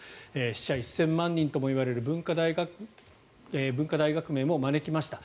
死者１０００万人ともいわれる文化大革命も招きました。